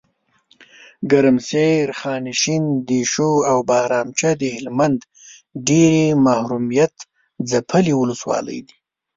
ګرمسیر، خانشین، دیشو اوبهرامچه دهلمند ډیري محرومیت ځپلي ولسوالۍ دي .